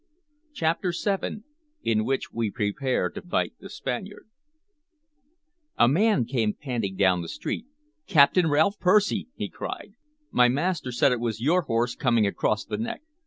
CHAPTER VII IN WHICH WE PREPARE TO FIGHT THE SPANIARD A MAN came panting down the street. "Captain Ralph Percy!" he cried. "My master said it was your horse coming across the neck.